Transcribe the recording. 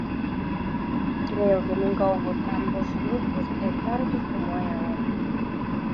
Creo que nunca houbo tan bos grupos e tantos como hai agora.